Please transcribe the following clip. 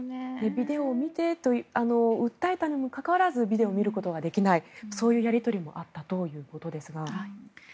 ビデオを見てと訴えたにもかかわらずビデオを見ることができないとそういうやり取りもあったということですが。